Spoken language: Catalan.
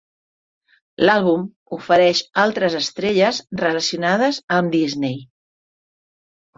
L'àlbum ofereix altres estrelles relacionades amb Disney.